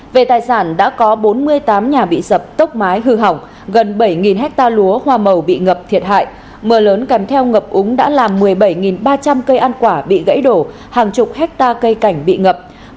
về tài sản đã có bốn mươi tám nhà bị sập tốc mái hư hỏng gần bảy hectare lúa hoa màu bị ngập thiệt hại mưa lớn kèm theo ngập úng đã làm một mươi bảy ba trăm linh cây ăn quả bị gãy đổ hàng chục hectare cây cảnh bị ngập